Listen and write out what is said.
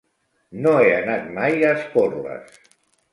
No he anat mai a Esporles.